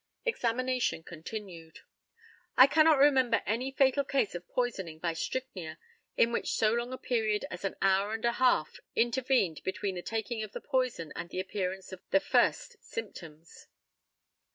Examination continued: I cannot remember any fatal case of poisoning by strychnia in which so long a period as an hour and a half intervened between the taking of the poison and the appearance of the first symptoms.